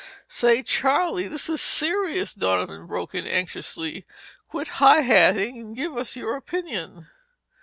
"Say, Charlie, this is serious," Donovan broke in anxiously. "Quit high hatting and give us your opinion."